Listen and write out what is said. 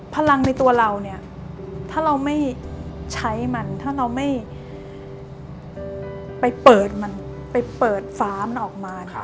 พลังในตัวเราเนี่ยถ้าเราไม่ใช้มันถ้าเราไม่ไปเปิดมันไปเปิดฟ้ามันออกมา